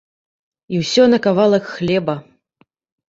І ўсё на кавалак хлеба!